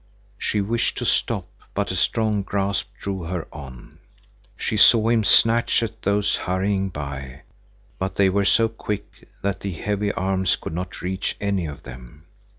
She wished to stop, but a strong grasp drew her on. She saw him snatch at those hurrying by, but they were so quick that the heavy arms could not reach any of them.